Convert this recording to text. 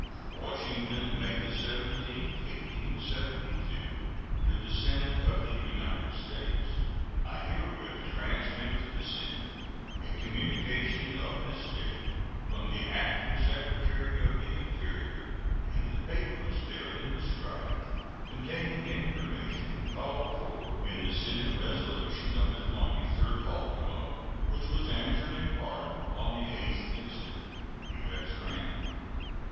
WASHINGTON, May 17, 1872. To the Senate of the United States: I herewith transmit to the Senate a communication of this date from the Acting Secretary of the Interior, and the papers therein described, containing information called for in the Senate resolution of the 23d ultimo, which was answered in part on the 8th [7th] instant. U.S. GRANT.